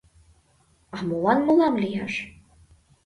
— А молан мылам лияш?